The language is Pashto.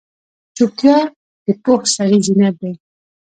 چوپتیا، د پوه سړي زینت دی.